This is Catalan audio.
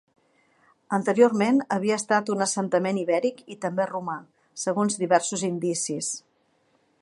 Anteriorment havia estat un assentament ibèric i també romà, segons diversos indicis.